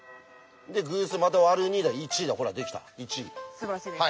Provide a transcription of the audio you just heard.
すばらしいです。